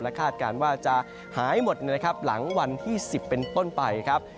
คาดการณ์ว่าจะหายหมดนะครับหลังวันที่๑๐เป็นต้นไปครับ